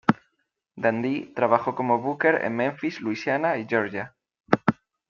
Dundee trabajó como booker en Memphis, Luisiana y Georgia.